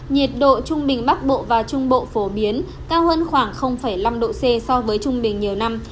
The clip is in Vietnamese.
nhiệt độ trung bình bắc bộ và trung bộ phổ biến cao hơn khoảng năm độ c so với trung bình nhiều năm